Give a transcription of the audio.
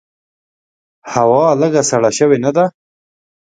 هوا لږ سړه سوي نده؟